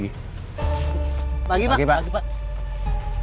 biasanya dia cuma pake tarik disitu